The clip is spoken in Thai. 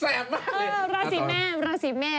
ราศีแม่ค่ะอาจารย์